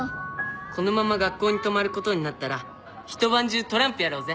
このまま学校に泊まることになったらひと晩中トランプやろうぜ。